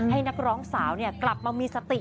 ให้นักร้องสาวกลับมามีสติ